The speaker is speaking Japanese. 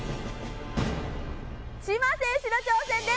チマ選手の挑戦です。